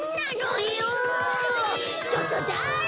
ちょっとだれ？